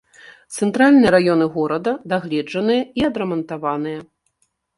Цэнтральныя раёны горада дагледжаныя і адрамантаваныя.